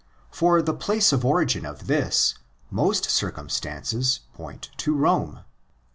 For the place of origin of this, most circumstances point to Rome.